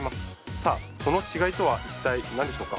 さあその違いとはいったい何でしょうか。